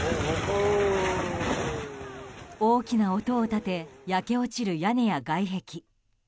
大きな音を立て焼け落ちる屋根や外壁。